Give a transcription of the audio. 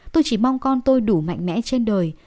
tôi chỉ mong con tôi đủ mạnh mẽ trên đời